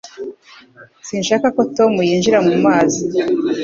Sinshaka ko Tom yinjira mu mazi